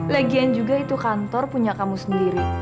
lagian juga itu kantor punya kamu sendiri